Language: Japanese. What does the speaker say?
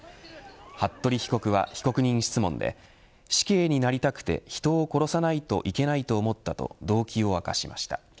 服部被告は被告人質問で死刑になりたくて、人を殺さないといけないと思ったと動機を明かしました。